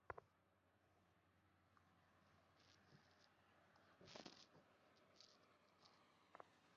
পল, ও যা বলছে বিশ্বাস হচ্ছে না।